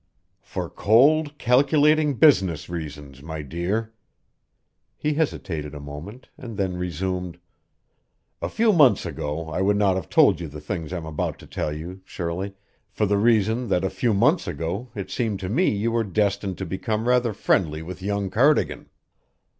"For cold, calculating business reasons, my dear." He hesitated a moment and then resumed: "A few months ago I would not have told you the things I am about to tell you, Shirley, for the reason that a few months ago it seemed to me you were destined to become rather friendly with young Cardigan.